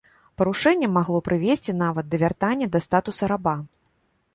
Парушэнне магло прывесці нават да вяртання да статуса раба.